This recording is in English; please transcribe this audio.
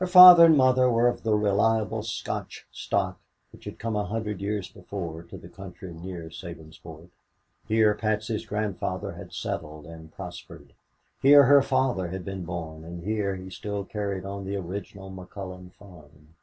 Her father and mother were of the reliable Scotch stock which had come a hundred years before to the country near Sabinsport. Here Patsy's grandfather had settled and prospered. Here her father had been born and here he still carried on the original McCullon farm.